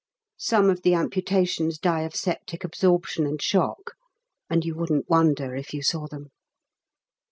Some of the amputations die of septic absorption and shock, and you wouldn't wonder if you saw them.